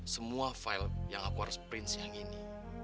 semua file yang aku harus print siang ini